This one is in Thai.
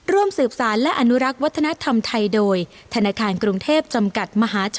ร่วมสืบสารและอนุรักษ์วัฒนธรรมไทยโดยธนาคารกรุงเทพจำกัดมหาชน